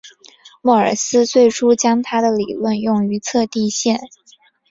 莫尔斯最初将他的理论用于测地线。